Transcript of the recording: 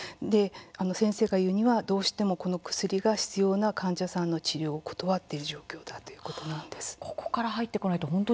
先生が言うには、どうしてもこの薬が必要な患者さんの治療を断っている状況だということです。